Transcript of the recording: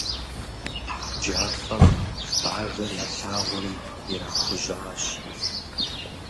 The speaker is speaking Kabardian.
Хьэджафэм Бажэр ялъагъури ирахужьащ.